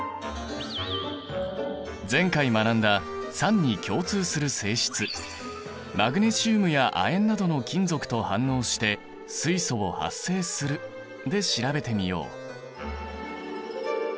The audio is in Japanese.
前回学んだ酸に共通する性質「マグネシウムや亜鉛などの金属と反応して水素を発生する」で調べてみよう。